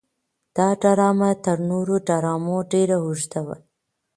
دا ډرامه تر نورو ډرامو ډېره اوږده وه.